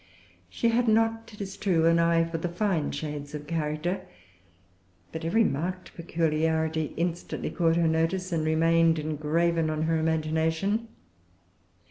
She had not, it is true, an eye for the fine shades of character. But every marked peculiarity instantly caught her notice and remained engraven on her imagination.